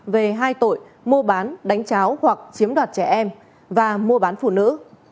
về hai tội mua bán đánh cháo hoặc chiếm đoạt trẻ em và mua bán phụ nữ